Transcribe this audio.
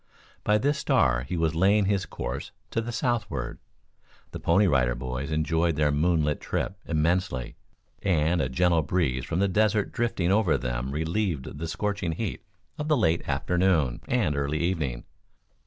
By this star he was laying his course to the southward. The Pony Rider Boys enjoyed their moonlight trip immensely; and a gentle breeze from the desert drifting over them relieved the scorching heat of the late afternoon and early evening.